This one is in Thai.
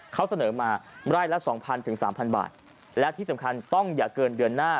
เขาเสนอมาไร้ละ๒๐๐๐๓๐๐๐บาทและที่สำคัญต้องอย่าเกินเดือนหน้า